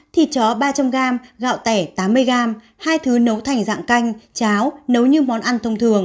thịt chó ba trăm linh g gạo tẻ tám mươi g hai thứ nấu thành dạng canh cháo nấu như món ăn thông thường